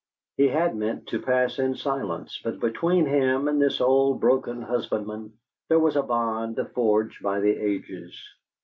He had meant to pass in silence, but between him and this old broken husbandman there was a bond forged by the ages.